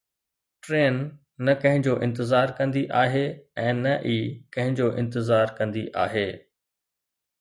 train نه ڪنهن جو انتظار ڪندي آهي ۽ نه ئي ڪنهن جو انتظار ڪندي آهي